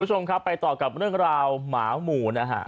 สวัสดีทุกชมครับไปต่อกับเรื่องราวหมาหมู่นะฮะ